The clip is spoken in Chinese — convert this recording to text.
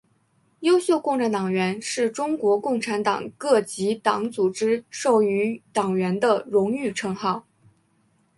优秀共产党员是中国共产党各级党组织授予党员的荣誉称号。